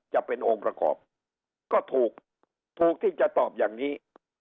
จะเป็นองค์ประกอบก็ถูกถูกที่จะตอบอย่างนี้